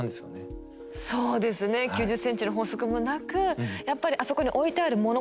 そうですね９０ｃｍの法則もなくやっぱりあそこに置いてあるもの